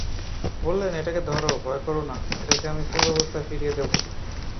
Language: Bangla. বললেন, এটাকে ধর, ভয় করো না, এটাকে আমি পূর্বাবস্থায় ফিরিয়ে দেব।